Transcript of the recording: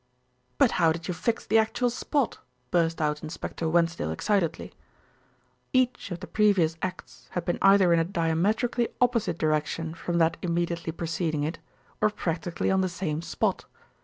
"But how did you fix the actual spot?" burst out Inspector Wensdale excitedly. "Each of the previous acts had been either in a diametrically opposite direction from that immediately preceding it, or practically on the same spot.